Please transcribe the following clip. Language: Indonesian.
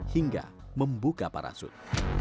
hingga membuka parasut